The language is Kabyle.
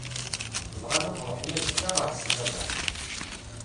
Bɣan ad ṛuḥen azekka ar ṣṣyada.